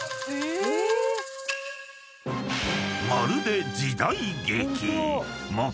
［まるで時代劇！］